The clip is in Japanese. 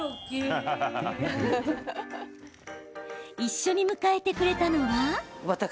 一緒に迎えてくれたのは。